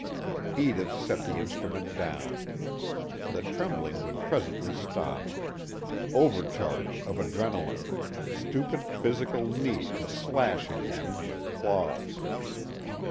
Edith set the instrument down. The trembling would presently stop. Overcharge of adrenalin, stupid physical need to slash again, with claws.